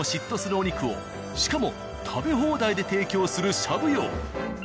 しかも食べ放題で提供する「しゃぶ葉」。